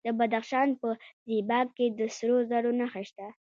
د بدخشان په زیباک کې د سرو زرو نښې شته.